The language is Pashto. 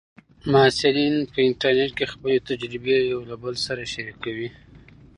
محصلین په انټرنیټ کې خپلې تجربې یو بل سره شریکوي.